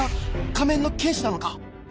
仮面の剣士なのか！？」